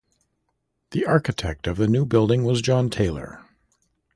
The architect of the new building was John Taylor.